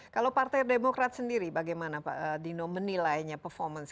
kalau partai demokrat sendiri bagaimana pak dino menilainya performance